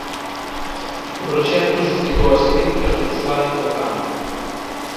O proxecto suscitou as críticas dos usuarios do campo.